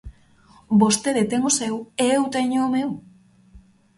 Vostede ten o seu e eu teño o meu.